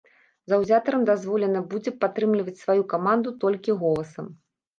Заўзятарам дазволена будзе падтрымліваць сваю каманду толькі голасам.